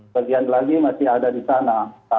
bagian lagi masih ada di sana